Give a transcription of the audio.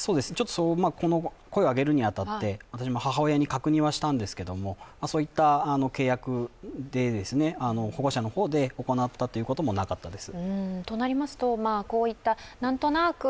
声を上げるに当たって私も母親に確認したんですけど、そういった契約で保護者の方で行ったということなかったです。